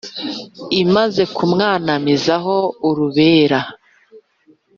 imaze kumwanamizaho urubera